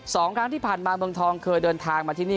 สองครั้งที่ผ่านมาเมืองทองเคยเดินทางมาที่นี่